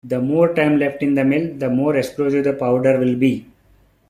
The more time left in the mill, the more "explosive" the powder will be.